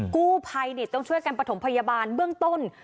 กู้ภัยต้องช่วยกันประถมพยาบาลเบื้องต้น